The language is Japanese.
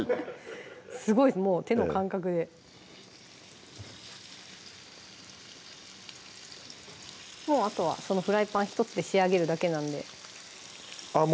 すごいですもう手の感覚でもうあとはそのフライパン１つで仕上げるだけなんであっ